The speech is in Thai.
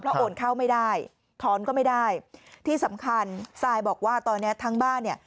โอนเข้าไม่ได้ถอนก็ไม่ได้ที่สำคัญซายบอกว่าตอนเนี้ยทั้งบ้านเนี่ย